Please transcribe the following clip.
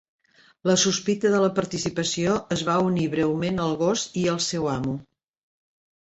La sospita de la participació es va unir breument al gos i el seu amo.